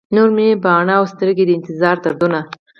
نور مې باڼه او سترګي، د انتظار دردونه